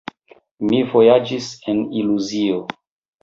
Mi vojaĝis en iluzio.